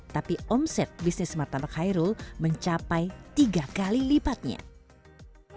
tapi omset bisnis martabak hairul mencapai tiga kali lipatnya